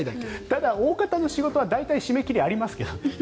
ただ、大方の仕事は大体、締め切りありますけど。